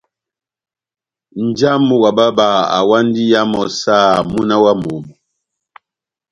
Nja wamu wa bába awandi iya mɔ́ saha múna wa momó.